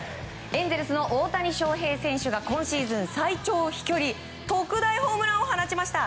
エンゼルスの大谷翔平選手が今シーズン最長飛距離特大ホームランを放ちました。